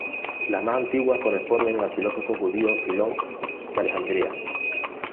Las más antiguas corresponden al filósofo judío Filón de Alejandría.